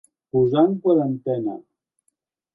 Posar en quarantena.